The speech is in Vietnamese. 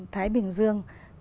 thái bình dương